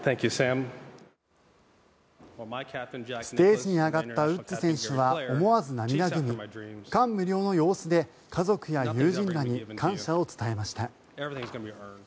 ステージに上がったウッズ選手は思わず涙ぐみ感無量の様子で、家族や友人らに感謝を伝えました。